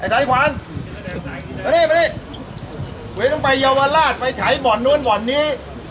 ไอ้สายขวานมานี่มานี่เฮ้ยต้องไปเยาวราชไปถ่ายบ่อนนวนบ่อนนี้